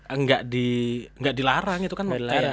enggak dilarang itu kan